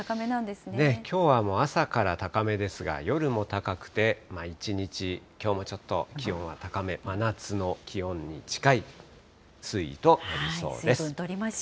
きょうはもう朝から高めですが、夜も高くて、一日きょうもちょっと気温は高め、真夏の気温に近い推移となりそうです。